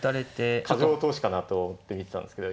いや過剰投資かなと思って見てたんですけど。